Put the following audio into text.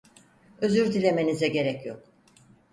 Özür dilemenize gerek yok.